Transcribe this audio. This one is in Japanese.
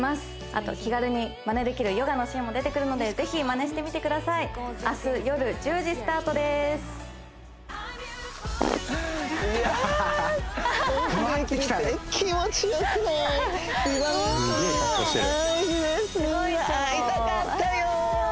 あと気軽にまねできるヨガのシーンも出てくるのでぜひまねしてみてください会いたかったよ！